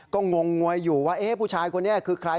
ก็งงงวยอยู่ว่าผู้ชายคนนี้คือใคร